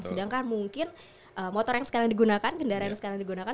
sedangkan mungkin motor yang sekarang digunakan kendaraan yang sekarang digunakan